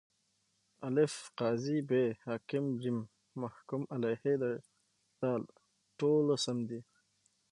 الف: قاضي ب: حاکم ج: محکوم علیه د: ټوله سم دي.